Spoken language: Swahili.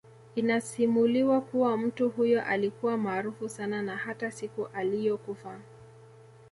Inasimuliwa kuwa mtu huyo alikuwa maaraufu sana na hata siku ailiyokufa